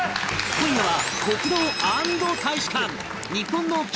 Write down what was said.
今夜は